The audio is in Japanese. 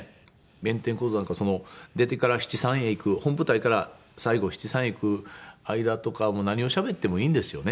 弁天小僧なんか出てから七三へ行く本舞台から最後七三へ行く間とかも何をしゃべってもいいんですよね。